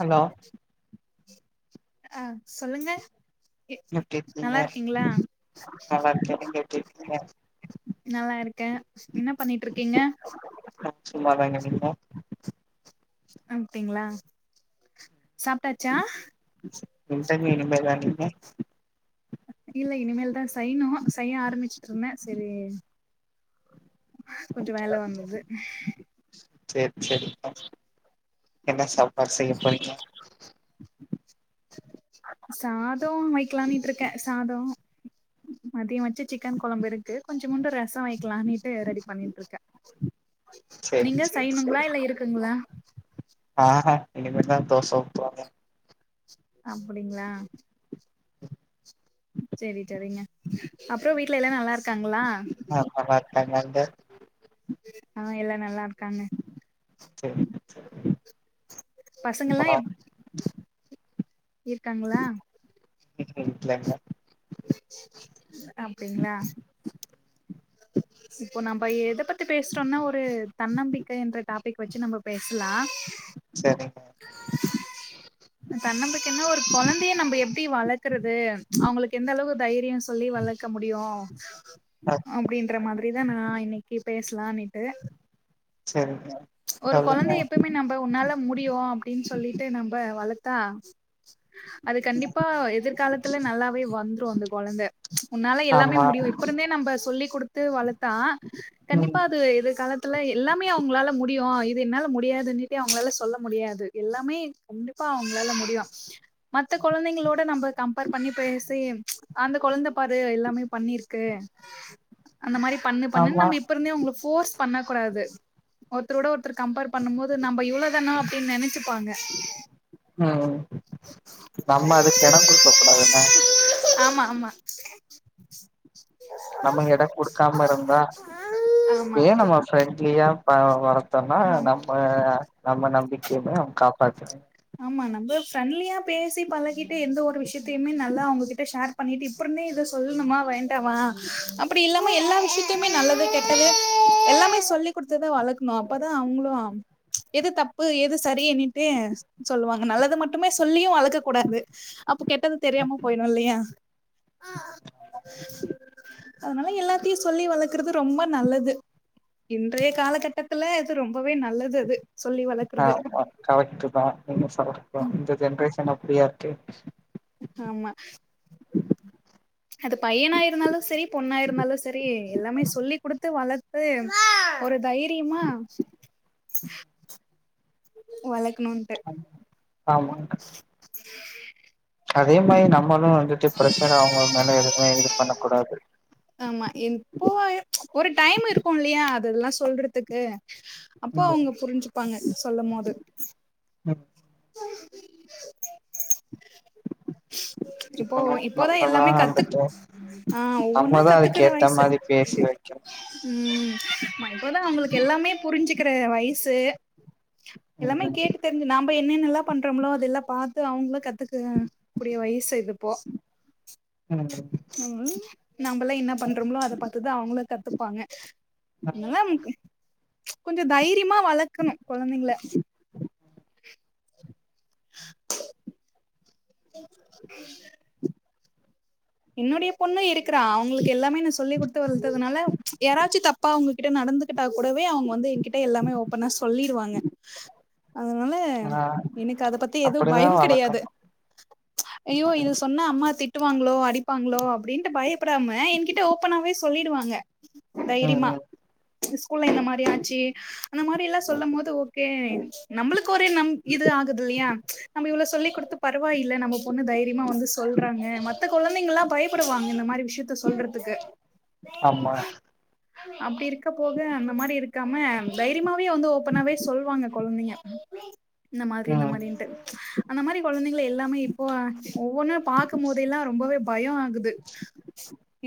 hello அ சொல்லுங்க எ- எப்படி இர்க்கீங்க நல்லா இருக்கீங்களா நல்லாருக்கே நீங்க எப்டி இர்க்கீங்க நல்லா இருக்கே என்ன பண்ணிட்ருக்கீங்க அ சும்மாதாங்க நீங்க அப்டிங்ளா சாப்டாச்சா [unintelligible] இந்ததாலிங்க இல்ல இனிமேல்தா செய்ணு செய ஆரம்பிச்சுட்ருந்த செரி வந்தது செர் செரி என்ன சாப்பாட் செய்யப்போரிங்க சாதோ வெக்லானிட்ருக்கே சாதொ மதியொ வெச்ச சிக்கன் கொழம்பு இருக்கு கொஞ்சொ முண்டு ரசொ வெக்கலானிட்டு ரெடி பண்ணிட்ருக்கே சேரி நீங்க சய்யணுங்ளா இல்ல இருக்குங்ளா ஆஹ இனிமேட் தா தோச ஊத்துவாங்க அப்புடிங்ளா செரி செரிங்க அப்றொ வீட்ல எல்லா நல்லாருக் க்காங்களா ஆ நல்லா இருக்காங்க அங்க ஆ எல்லா நல்லார்காங்க செரி செரி பசங்கல்லா எப் ஈர்க்காங்களா வீட்ல இல்ல அப்டிங்ளா இப்போ நம்ம எத பத்தி பேஸ்றோன்னா ஒரு தன்னம்பிக்க என்ற டாப்பிக் வெச்சு நம்ப பேஸ்லா சரிங்க தன்னம்பிக்கன்னா ஒரு கொழந்தைய நம்ப எப்டி வளக்கறது அவுங்களுக்கு எந்த அளவு தைரியொ சொல்லி வளக்க முடியு ஆ அப்படின்ற மாதிரிதா நா இன்னைக்கு பேஸ்லானிட்டு சேரிங்க ஒரு சொல்லுங்க கொழந்த எப்பய்மே நம்ப உன்னால முடியு அப்படின் சொல்லிட்டு நம்ப வளத்தா அது கண்டிப்பா எதிர்காலத்துல நல்லாவே வந்துரு அந்த கொழந்த உன்னால எல்லாமே ஆமா முடியு இப்பருந்தே நம்ப சொல்லி் குடுத்து வளத்தா ம் கண்டிப்பா அது இது காலத்துல எல்லாமே அவுங்களால முடியு இது என்னால முடியாதுன்ட்டு அவங்களால சொல்ல முடியாது எல்லாமே கண்டிப்பா அவுங்களால முடியு மத்த கொழந்தைங்ளோட நம்ப கம்பேர் பண்ணி பேசி அந்த கொழந்தப்பாரு எல்லாமே பண்ணிருக்கு அந்த மாரி பண்ணு பண்ணுன் ஆமா நம்ப இப்பருந்தே உங்களுக் ஃபோர்ஸ் பண்ணக்கூடாது ஒர்த்தரோட ஒர்த்தரு கம்ப்பேர் பண்ணும்மோது நம்ப இவ்ளோ தானா அப்டின் நெனச்சு ப்பாங்க ஓ நம்ம அதுக் எடங்குடுக்க கூடாதுன்ன ஆம்மா ஆம்மா நம்ம எடங் குடுக்காம இருந்தா ஆமா ஏன் நம்ம ஃப்ரெண்ட்லியா ப வர தன்னா ஆம் நம்ம நம்ம நம்பிக்கிய ந காப்பாத்திக் ஆம்மா நம்ப ஃப்ரெண்ட்லியா பேசி பழகிட்டு எந்த ஒரு விஷ்யத்தையுமே நல்லா அவங்ககிட்ட ஷேர் பண்ணிட்டு இப்புட்னே இத சொல்ணுமா வேண்டாமா அப்டி இல்லா எல்லா விஷ்யத்தையுமே நல்லது கெட்டது எல்லாமே சொல்லி் குட்த்ததா வளக்ணு அப்பதா அவுங்குளு எதுதப்பு எதுசரிணிட்டு சொல்லுவாங்க நல்லது மட்டுமே சொல்லியு அளக்கத்கூடாது அப்ப கெட்டது தெரியாம போயனும் இல்லையா ஆ அதனால எல்லாத்தையு சொல்லி வளக்கறது ரொம்ப நல்லது இன்றைய காலகட்டத்துல அது ரொம்பவே நல்லது அது சொல்லி வளக்கற்து கரெக்ட்டு தா நீங்க சொல இந்த ஜென்ரேஷன் அப்புடியா இருக்கு ஆமா அது பையனா இருந்தாலு செரி பொண்ணா இருந்தாலு செரி எல்லாமே சொல்லி கொடுத்து வளத் து ஒரு தைரியிமா வழக்குனுன்டு ஆமா அதே மாரி நம்மளு வந்துட்டு ப்ரஷர் அவுங்க மேலு எதுமே இது பண்ண கூடாது ஆமா எப்போ ஒரு டைம் இருக்கு இல்லையா அதெல்லா சொல்ற்துக்கு அப்போ ம் அவுங்க புரிஞ்சிப்பாங்க சொல்லம் போது ம் இப்போ புரிஞ்சுக்கணு இப்போதா நம்மதா எல்லாமே கத்து வந்துட்டு ஆ ஒவ்வொன்னா நம்மதா அதுக்கு கத்துக்குற ஏத்த வயசு மாரி பேசி வைக்கணு ம் இப்பதா அவுங்களுக்கு எல்லாமே புரிஞ்சுக்கிற வயசு எல்லாமே ம் கேக் தெரிஞ்சு நாம் அப்ப என்னென்னல்லா பண்றோம்முளோ அதெல்லா பாது அவுங்களு கத்துக்க கூடிய வயசு இதுப்போ [unintelligible] கெளம்பனு ம் நம்மல்லா என்ன பண்றோம்ளோ அத பாத்துதா அவுங்களு கத்துப்பாங்க இல்லம் கொஞ்சோ தைரியமா வளக்கணு குழந்தைங்கள என்னுடைய பொண்ணு இருக்கிறா அவுங்களுக்கு எல்லாமே நா சொல்லிக் கொடுத்து வளததுனால யாராச்சு தப்பா உங்ககிட்ட நடந்து கிட்டா கூடவே அவுங்க வந்து எகிட்ட எல்லாமே ஓபனா சொல்லிடுவாங்க அதனால ஆ எனக்கு அத பத்தி எது அப்டிதா பயோ கிடயாது வளக்கணு அயோ ம் இது சொன்னா அம்மா திட் ட்டுவாங்களோ அடிப்பாங்களோ அப்டின்ட்டு பயப்படாம எகிட்ட ஓபனாவே சொல்லிடுவாங்க ம் தைரிய்மா ம் ஸ்கூல்ல இந்த மாரி ஆச்சு அந்த மாரி எல்லா சொல்லும் போது ஓகே நம்மளுக்கு ஒரே நம் இது ஆகுது இல்லியா நம்ம இவ்ளவு சொல்லி கொடுத்து பரவாயில்ல நம்ம பொண்ணு தைரியமா வந்து சொல்றாங்க மத்த குழந்தைங்கல்லா பயப்படுவாங்க இந்த மாரி விஷயத்த சொல்றதுக்கு ஆமா அப்டி இருக்கம் போது அந்த மாரி இருக்காம தைரியமாவே வந்து ஓப்பனாவே சொல்லுவாங்க குழந்தைங்க [unintelligible] இந்த மாதிரி இந்த ம் மாதிரின்ட்டு அந்த மாரி குழந்தைங்க எல்லாமே இப்போ ஒவ்வொன்னு பாக்கும் போதே எல்லா ரொம்பவே பயோ ஆகுது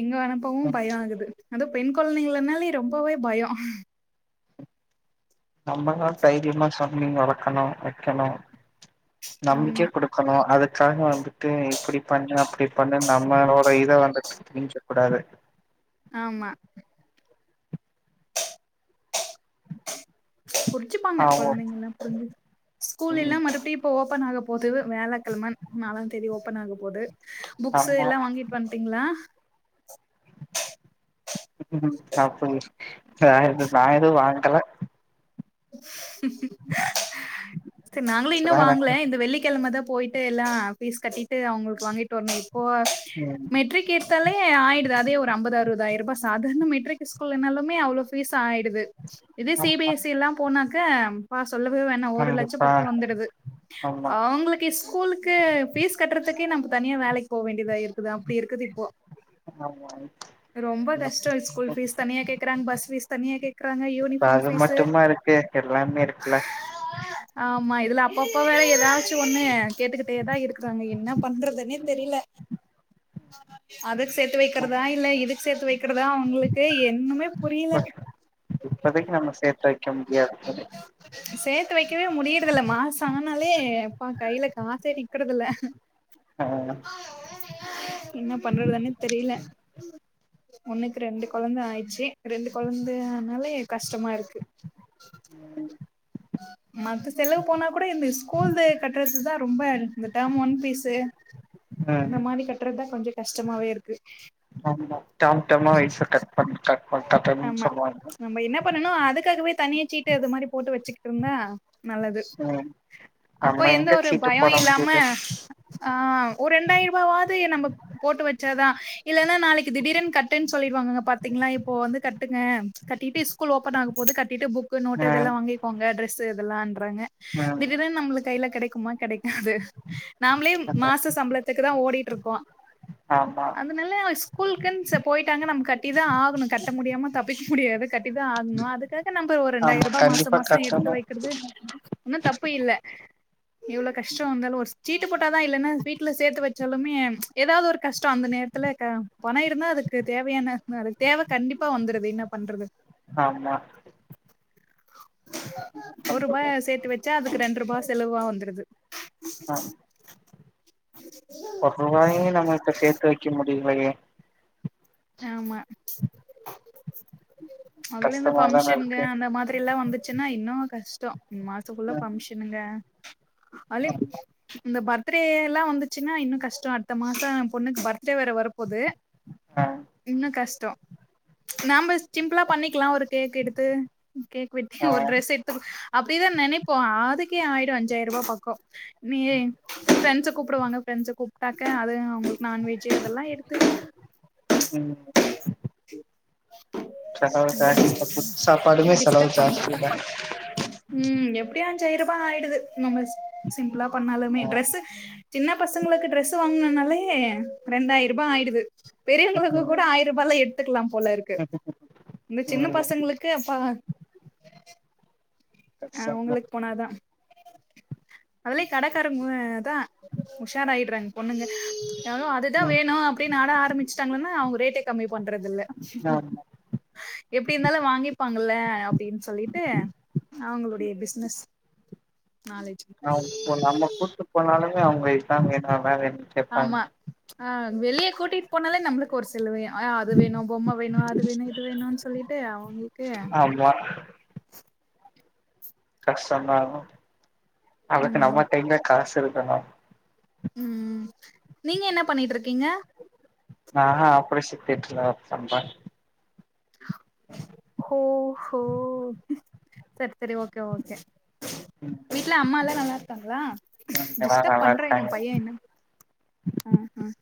எங்க அனுப்பவு ம் பயோ ஆகுது அது பெண் கொழ்ந்தைங்கனாலே ரொம்பவே பயோ நம்மளா தைரியமா சொல்லி வளக்கணு வைக்கணு நம்பிக்கே ம் கொடுக் கணு அதுக்காக வந்துட்டு இப்டி பண்ணு அப்டி பண்ணு நம்மளோட இத வந்துடு திணிச்ச கூடாது ஆமா புரிச்சுப்பாங்க ஆமா குழந்தைங்க எல்லா புரிஞ்சு ஸ்கூல் எல்லா ம் மறுப்டியு ஓபன் ஆக போகுது வேழக்கிழமன் நாலாந்தேதி ஓபன் ஆக போது புக்ஸ் ஆமா எல்லா வாங்கி வண்ட்டீங்களா அப்டிது நா எது நா எதுவுவு வாங்கல சரி நாங்களு இன்னு இப்பதா வாங்கல எனக்கு இந்த வெள்ளிக்கிழமை தா போயி ட்டு எல்லா பீஸ் கட்டிட்டு அவங்களுக்கு வாங்கிட்டு வரணு இப்போ ம் மெட்ரிக் கீர்த்தாலே ஆயிடுது அதே ஒரு அம்பது அறுபதாயிர ரூபா சாதாரண மெடீரிக் ஸ்கூல்னாலுமே அவ்வளோ ஃபீஸ் ஆயிடுது இது சி பி ஆமா எஸ் சி எல்லாம் போனாக்க பா சொல்லவே வேணாம் ஒரு லட்சம் கண்டிப்பா பக்கம் வந்துடுது ஆமா அவங்களுக்கு கி ஸ்கூலுக்கு ஃபீஸ் கட்டுறதுக்கே நம்ம தனியா வேலைக்கு போக வேண்டியதா இருக்குது அப்டி இருக்குது இப்போ ஆமாங் ரொம்ப கஷ்டோ ஸ்கூல் ஃபீஸ் தனியா கேக்குறாங்க பஸ் ஃபீஸ் தனியா கேக்குறங்க இப்ப யூனிஃபார்ம் அது ஃபீஸ் மட்டுமா இருக்கு எல்லாமே இருக்குல ஆமா இதுல அப்பப்ப வேற ஏதாச்சு ஒண்ணு கேட்டுக்கிட்டேதா இருக்கறாங்க என்ன பண்றதுன்னே தெரியல அதுக்கு சேத்து வெக்கிறதா ஆமா இல்ல இதுக்கு சேத்து வெக்கிறதா அவங்களுக்கு என்னமே இப்போதக்கு நம்ம சேத்து வெக்க முடியாது தானே சேத்து வெக்கவே முடியறதில்லமா மாசோ ஆனாலேப்பா கையில காசே நிக்கறத இல [inaudible] ஆ என்ன பண்றதுனே தெரியல ஒன்னுக்கு ரெண்டு கொழந்த ஆயிடுச்சு ரெண்டு கொழந்தை ஆனாலே கஷ்டமா இருக்கு [inaudible] ம் ஆ மத்த செலவு போனா கூட இந்த ஸ்கூல்து கட்டறதுதா ரொம்ப இந்த டெர்ம் ஒன் பீஸூ ம் இந்த மாதிரி கட்டுறதுதா கொஞ்சோ கஷ்டமாவே இருக்கு ஆமா டாம் டாம வயிச கட் பண்கா ஆமா நம்ம என்னப் பண்ணனு அதுக்காகவே தனியா சீட்டு அது மாதிரி போட்டு வச்சிகிட்டோன்னா நல்லது ம் அப்போ நம்ம எந்த எங்க ஒரு சீட்டு பயோ போட இல்லாம முடியுது ஆ ஒரு ரெண்டாயிர ரூபாவது நம்ப போட்டு வச்சாதா இல்லன்னா நாளைக்கு திடீரின் கட்டுன் சொல்லிடுவாங்கங்க பாத்தீங்களா இப்போ வந்து கட்டுங்க கட்டிட்டு ஸ்கூல் ஓப்பன் ஆகும் போது கட்டிட்டு புக்கு நோட்டு் இதெல்லா ம் வாங்கிக்கோங்க ட்ரெ ஸ் இதெல்லான்றாங்க ம் திடீரின் நம்ளுக்கு கையில கெடைக்குமா கெடைக்காது நாமளே மாச சம்பளத்துக்கு தா ஓடிட்டு இருக்கோ ஆமா அதனால அவ ஸ்கூலுக்குன்ஸ் போயிட்டாங்க நம் கட்டி தா ஆகணு கட்ட முடியாம தப்பிக்க முடியாது கட் டிதா ஆகணு அதுக்காக நம்ப ஒரு ரெண்டாயிர ஆமா ரூபா மாச கண்டிப்பா மாச எடுத்து கட்டணு வெக்கிறது ஒன்னு தப்பு இல்ல எவ்ளோ கஷ்டோ வந்தாலு ஒரு சீட்டு போட்டாதா இல்லைன்னா வீட்ல சேத்து வச்சாலுமே ஏதாவது ஒரு கஷ்டோ அந்த நேரத்துல பண இருந்தா அதுக்கு தேவையான அ தேவை கண்டிப்பா வந்துருது இன்னா பண்றது ஆமா ஒரூபா பண்றது சேத்து வச்சா அதுக்கு ரெண்டு ரூபா செலவா வந்துருது அ ஒரு ரூபாயு நம்மிட்ட சேத்து வெக்க முடியலையே ஆமா அதுல இந்த கஷ்டமாதான ஃபங்க்ஷனுங்க இருக்கு அந்த மாதிரில்லா வந்து ச்சின்னா இன்னு கஷ்டோ மாச ஃபுல்லா ம் ஃபங்க்ஷனுங்க அதிலும் ஆமா இந்த பர்த் த்ரே எல்லா வந்துச்சுன்னா இன்னு கஷ்டோ அடுத்த மாசோ எ பொண்ணுக்கு பர்த்டே வேற வர போது அ இன்னு கஷ்டோ நம்ப சிம்புளா பண்ணிக்கலா ஒரு கேக் எடுத்து கேக் வெட்டி ஆ ஒரு ட்ரெஸ் எடுத்து அப்டிதா நெனைப்போ அதுக்கே ஆயிடு அஞ்சாயிர் ரூவா பக்கோ நீயே ஃப்ரெண்ட்ஸ கூப்டுவாங்க ஃப்ரண்ட்ஸ கூப்ட்டாக்க அதுவு அவுங்களுக்கு நான்வெஜ் அதெல்லா எடுத்து ம் செலவு ரொம்ப ஜாஸ்தி டிஸ் இப்ப ஃபுட் சாப்பாடுமே ரொம்ப செலவு டிஸ்டப் பண்றோ ஜாஸ்திதா ம் எப்டியோ அஞ்சாயிரூபா ஆயிடுது நம்ம சிம் சிம்ப்ளா பண்ணாலுமே ஆ டிரெஸு சின்ன பசங்களுக்கு டிரெஸு வாங்குனாலே ரெண்டாயிர் ரூபா ஆயிடுது ம் பெரியவங்களுக்கு கூட ஆயிர ரூபால எடுத்துக்கலா போல இருக்கு இந்த சின்ன ம் பசங்களுக்கு அப்பா அ கஷ்டந்தா உங்களுக்கு போனாதா அதுலியு கடக்காரங்க தா உஷாராயிர்றாங்க ஒண்ணுங்க எவ்ளோ அதுதா ம் வேணு அப்டின்னு ஆழ ஆரம்பிச்சிட்டாங்கன்னா அவுங்க ரேட்டே கம்மி பண்றதுல்ல ஆமா எப்டி இருந்தாலு வாங்கிப்பாங்கல்ல அப்டின்னு சொல்லிட்டு அவுங்களுடைய பிசினஸ் நாளை அவுங்க நம்ம கூப்ட்டு போனாலுமே அவுங்க இதா வேணுன்னு அதா வேணுன்னு ஆமா அ வெளிய கூட்டிட்டு போனாலே நம்மலுக் க்கொரு செலவு அது வேணு பொம்ம வேணு அது வேணு இது வேணுன்னு சொல்லிட்டு அவுங்குளுக்கு பண்வே கஷ்டோ இருந்தாலு அதுக்கு ம் நம்ம கைல காசு இருக்கனு ம் ம் நீங்க என்ன பண்ணிட்ருக்கீங்க நா ஹா ஆப்ரேசன் தியேட்டர்ல ஒர்க் பண்றே ஹோ ஹோ செரி செரி ஓகே ஓகே வீட்ல அம்மால்லா நல்லா இருக்காங்களா இங்கலா டிஸ்டப் நல்லா பண்றங்க இருக்காங்க எ பைய என்ன அ அ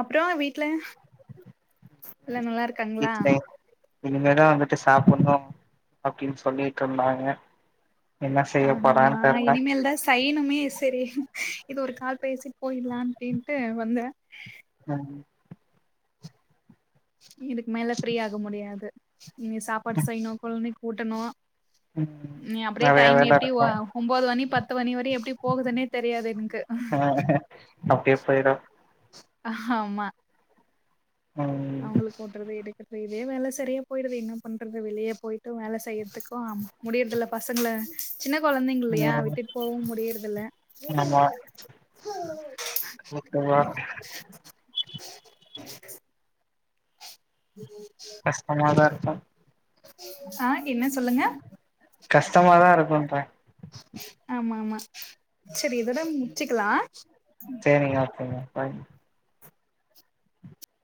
அப்றோ வீட்ல எல்லா நல்லா இருக்காங்களா வீட்லயு இனிமேதா வந்துட்டு சாப்புன்னு அப்டின்னு சொல்லிட்ருந்தாங்க என்ன செய்ய போறான் தெர்ல சைனுமே செரி இது ஒரு கால் பேசி போயிட்லா அப்டின்ட்டு வந்தே அம் இதுக்கு மேல ஃப்ரீயாக முடியாது இனி சாப்பாடு செய்யணு கோழந்தைக்கு கூட்டணு ம் இனி அப்டியே நெறைய டைம் வேல எப்டி ஒ இருக்கு ஒன்போது மணி பத்து மணி வரையு எப் எப்டி போகுதுன்னே தெரியாது என்க்கு ஆ அப்டியே போயிரு ஆமா ம் அவுங்களுக்கு தோன்றதே எடு என்க்கு இதே வேல சரியா போய்டுது என்ன பண்றது வெளியே போயிட்டு வேல செய்றதுக்கு அம் முடியறதுல்ல பசங்கள சின்ன கொழந்தைங்க இல்லையா ம் விட்டுட்டு போவு முடியறதுல்ல ஒர்க்குங்ளா கஷ்டமாதா இருக்கு ஆ என்ன சொல்லுங்க கஷ்டமாதா இருக்குன்ட்றே ஆமா ஆமா சரி இதோட முடிச்சுக்லா சேரிங்க வச்சுருங்க ஃபாய்